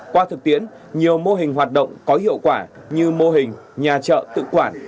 qua thực tiễn nhiều mô hình hoạt động có hiệu quả như mô hình nhà trợ tự quản